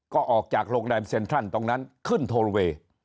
ก็ออกจากโรงแรมเซ็นทรัลตรงนั้นขึ้นโทเวย์